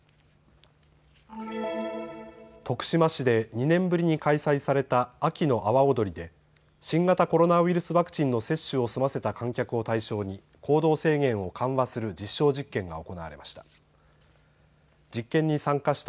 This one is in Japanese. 徳島市で２年ぶりに開催された秋の阿波おどりで新型コロナウイルスワクチンの接種を済ませた観客を対象に行動制限を緩和する実証実験が行われました。